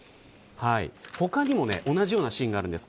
他にも同じようなシーンがあるんです。